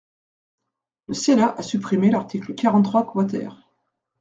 Le Sénat a supprimé l’article quarante-trois quater.